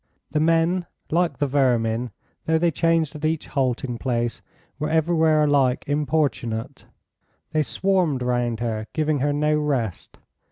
The men, like the vermin, though they changed at each halting place, were everywhere alike importunate; they swarmed round her, giving her no rest.